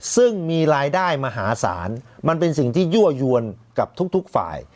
ซึ่งมีรายได้มหาศาลมันเป็นสิ่งที่ยั่วยวนกับทุกฝ่าย